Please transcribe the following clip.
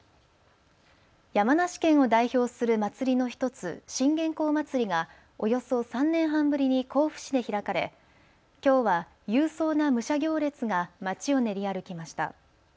山梨県を代表する祭りの１つ、信玄公祭りがおよそ３年半ぶりに甲府市で開かれきょうは勇壮な武者行列がまちを練り歩きました。